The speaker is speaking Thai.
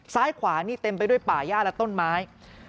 ซ้ายขวานี่เต็มไปด้วยป่าย่าและต้นไม้